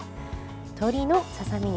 鶏のささ身肉。